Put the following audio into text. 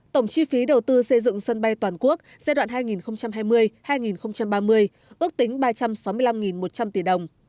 tổng chi phí đầu tư xây dựng sân bay toàn quốc giai đoạn hai nghìn hai mươi hai nghìn ba mươi ước tính ba trăm sáu mươi năm một trăm linh tỷ đồng